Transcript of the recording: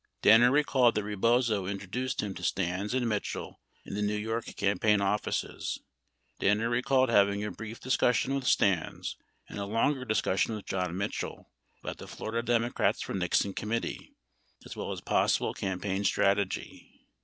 44 Danner recalled that Rebozo introduced him to Stans and Mitchell in the New York campaign offices. 45 Danner recalled having a brief discussion with Stans, and a longer discussion with John Mitchell about the Florida Democrats for Nixon committee, as well as possible campaign strategy.